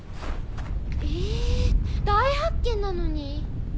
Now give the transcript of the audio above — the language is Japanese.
え大発見なのに。